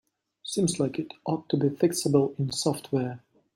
Seems like it ought to be fixable in software.